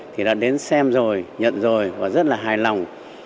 thì đã đến xem rồi nhận rồi và rất là hài lòng